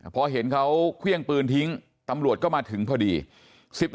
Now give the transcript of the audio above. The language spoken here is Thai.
พอเห็นเขาเครื่องปืนทิ้งตำรวจก็มาถึงพอดี